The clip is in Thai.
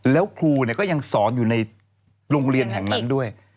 แล้วครูก็ยังสอนอยู่ในโรงเรียนแห่งนั้นด้วย